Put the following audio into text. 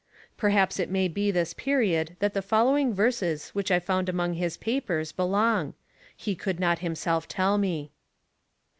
Perhaps it may be this period that the following verses which I found among his papers belong: he could not himself tell me.